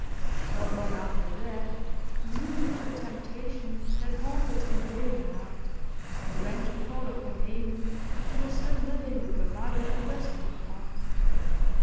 Not long after that he yielded to a temptation that haunted him day and night, and went to call upon Amy, who was still living with her mother at Westbourne Park.